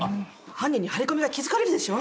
犯人に張り込みが気付かれるでしょ。